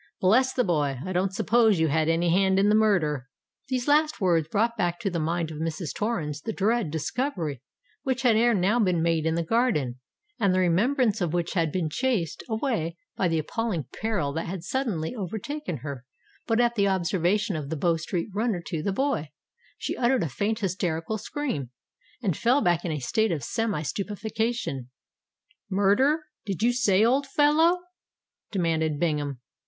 Bless the boy—I don't suppose you had any hand in the murder." These last words brought back to the mind of Mrs. Torrens the dread discovery which had ere now been made in the garden, and the remembrance of which had been chased away by the appalling peril that had suddenly overtaken her: but at the observation of the Bow Street runner to the boy, she uttered a faint hysterical scream, and fell back in a state of semi stupefaction. "Murder did you say, old fellow?" demanded Bingham.